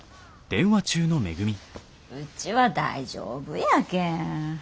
うちは大丈夫やけん。